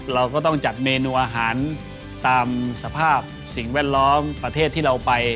เราก็ต้องจัดเมนูอาหารตามสภาพสิ่งแวดล้อมประเทศที่เราไป